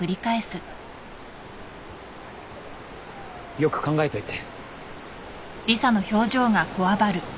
よく考えといて。